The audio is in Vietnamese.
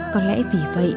có lẽ vì vậy